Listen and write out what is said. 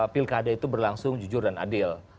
pilkada itu berlangsung jujur dan adil